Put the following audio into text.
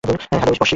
Hello oh sheet!